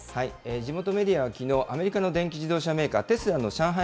地元メディアはきのう、アメリカの電気自動車メーカー、テスラの上海